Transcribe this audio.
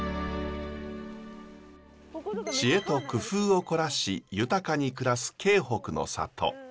知恵と工夫を凝らし豊かに暮らす京北の里。